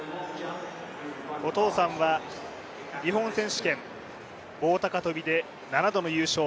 お父さんは、日本選手権棒高跳で７度の優勝。